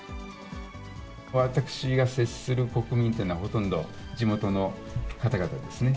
私が接する国民というのは、ほとんど地元の方々ですね。